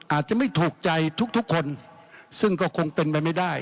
อาจจะไม่ถูกใจทุกทุกคนซึ่งก็คงเป็นไปไม่ได้